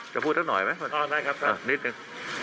จะพูดถ้าหน่อยไหมอ่าได้ครับครับอ้าวนิดนึง